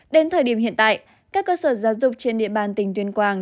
đến thời điểm hiện tại các cơ sở giáo dục trên địa bàn tỉnh tuyên quang